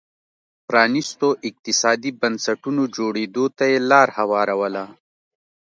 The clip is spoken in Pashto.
پرانيستو اقتصادي بنسټونو جوړېدو ته یې لار هواروله.